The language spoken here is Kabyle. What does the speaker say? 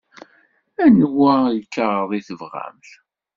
Anwa lkaɣeḍ i tebɣamt?